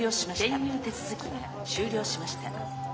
転入手続きが終了しました。